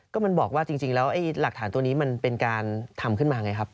ก็มันบอกว่าจริงแล้วไอ้หลักฐานตัวนี้มันเป็นการทำขึ้นมาไงครับ